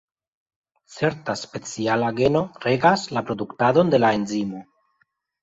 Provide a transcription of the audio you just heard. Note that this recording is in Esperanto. Certa speciala geno regas la produktadon de la enzimo.